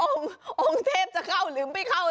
องค์เทพจะเข้าหรือไม่เข้า